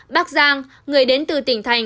bác giang người đến từ tỉnh thành